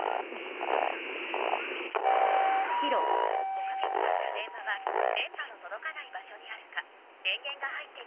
おかけになった電話は電波の届かない場所にあるか電源が入って。